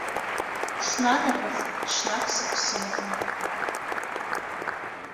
Снанагахт ҽнак сыԥсраҿы.